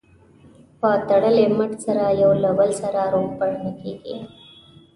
په تړلي مټ سره یو له بل سره روغبړ نه کېږي.